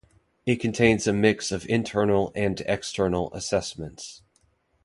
It contains a mix of internal and external assessments.